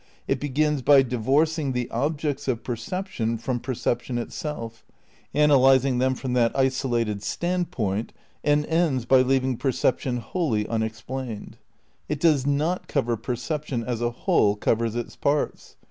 It begins by divorcing the objects of per ception from perception itself, analysing them from that isolated standpoint, and ends by leaving percep tion whoUy unexplained. It does not cover perception as a whole covers its parts.